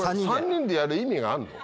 ３人でやる意味があるの？